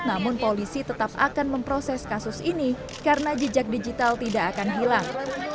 namun polisi tetap akan memproses kasus ini karena jejak digital tidak akan hilang